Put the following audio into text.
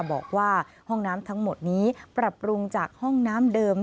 บอกว่าห้องน้ำทั้งหมดนี้ปรับปรุงจากห้องน้ำเดิม